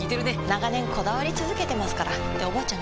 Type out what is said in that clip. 長年こだわり続けてますからっておばあちゃん